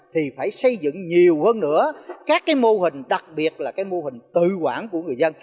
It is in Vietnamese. thì phải xây dựng nhiều hơn nữa các cái mô hình đặc biệt là cái mô hình tự quản của người dân